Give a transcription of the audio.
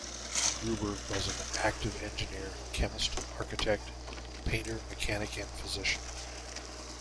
Gruber was an active engineer, chemist, architect, painter, mechanic and physician.